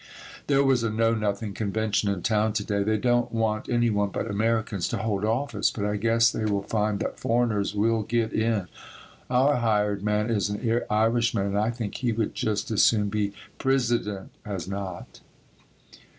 There was a Know Nothing convention in town to day. They don't want any one but Americans to hold office, but I guess they will find that foreigners will get in. Our hired man is an Irishman and I think he would just as soon be "Prisidint" as not.